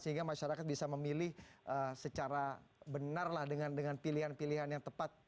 sehingga masyarakat bisa memilih secara benar lah dengan pilihan pilihan yang tepat